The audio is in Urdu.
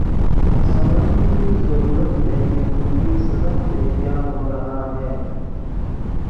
سمجھنے کی ضرورت ہے کہ ملکی سطح پہ کیا ہو رہا ہے۔